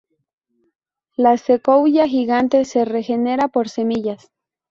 La secuoya gigante se regenera por semillas.